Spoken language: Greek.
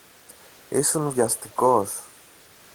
Ήσουν βιαστικός.